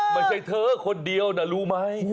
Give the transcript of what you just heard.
ไม่ใช่เธอคนเดียวนะรู้ไหม